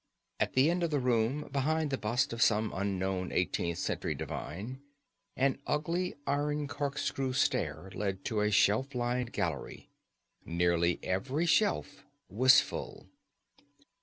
At the end of the room, behind the bust of some unknown eighteenth century divine, an ugly iron corkscrew stair led to a shelf lined gallery. Nearly every shelf was full.